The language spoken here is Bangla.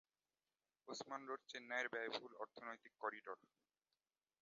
ওসমান রোড চেন্নাইয়ের ব্যয় বহুল অর্থনৈতিক করিডোর।